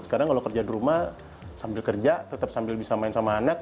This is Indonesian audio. sekarang kalau kerja di rumah sambil kerja tetap sambil bisa main sama anak